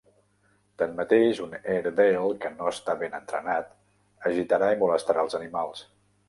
Tanmateix, un Airedale que no està ben entrenat agitarà i molestarà els animals.